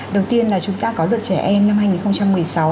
đầu tiên là chúng ta có luật trẻ em năm hai nghìn một mươi sáu